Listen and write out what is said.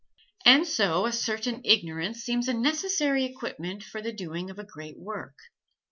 And so a certain ignorance seems a necessary equipment for the doing of a great work.